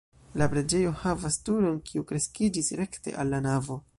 La preĝejo havas turon, kiu kreskiĝis rekte el la navo.